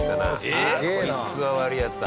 えっ？こいつは悪いヤツだ。